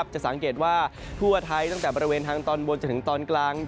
จะสังเกตว่าทั่วไทยตั้งแต่บริเวณทางตอนบนจนถึงตอนกลาง